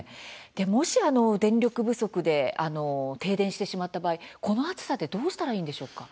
もし電力不足で停電してしまった場合この暑さでどうしたらいいんでしょうか。